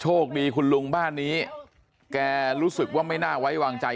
โชคดีคุณลุงบ้านนี้แกรู้สึกว่าไม่น่าไว้วางใจ